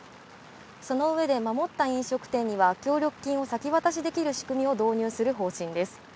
その上で守った飲食店には協力金を先渡しできる仕組みを導入する方針です。